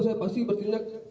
saya pasti berklinik